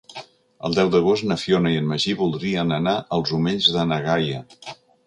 El deu d'agost na Fiona i en Magí voldrien anar als Omells de na Gaia.